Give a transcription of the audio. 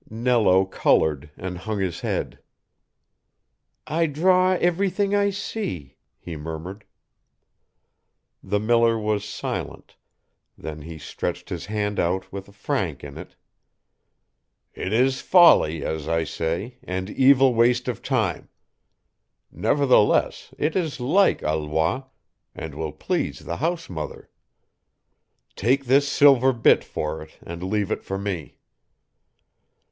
Nello colored and hung his head. "I draw everything I see," he murmured. The miller was silent: then he stretched his hand out with a franc in it. "It is folly, as I say, and evil waste of time: nevertheless, it is like Alois, and will please the house mother. Take this silver bit for it and leave it for me."